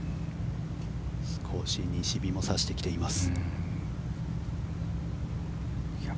少し西日も差してきています。